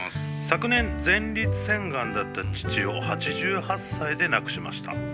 「昨年前立腺がんだった父を８８歳で亡くしました。